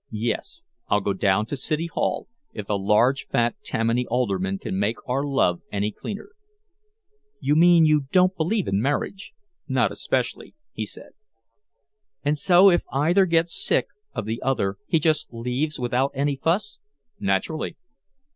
"Yes, I'll go down to City Hall if a large fat Tammany alderman can make our love any cleaner." "You mean you don't believe in marriage." "Not especially," he said. "And so if either gets sick of the other he just leaves without any fuss." "Naturally."